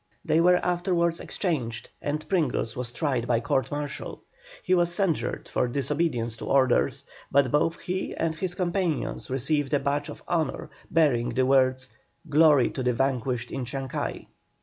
They were afterwards exchanged, and Pringles was tried by court martial. He was censured for disobedience to orders, but both he and his companions received a badge of honour bearing the words, "Glory to the vanquished in Chancay."